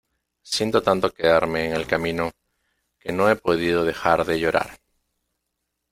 siento tanto quedarme en el camino, que no he podido dejar de llorar